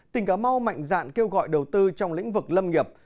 tỉnh cà mau mạnh dạn kêu gọi đầu tư trong lĩnh vực lâm nghiệp